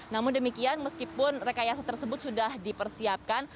namun demikian meskipun rekayasa tersebut sudah dipersiapkan